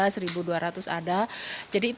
jadi itu memang kita untuk memperbaiki